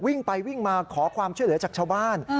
วิ่งไปวิ่งมาขอความช่วยเหลือจากชาวบ้าน